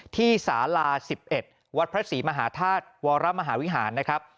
สาลา๑๑วัดพระศรีมหาธาตุวรมหาวิหารนะครับ